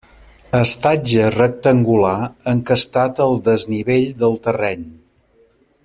Estatge rectangular encastat al desnivell del terreny.